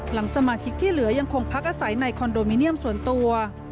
สมาชิกที่เหลือยังคงพักอาศัยในคอนโดมิเนียมส่วนตัว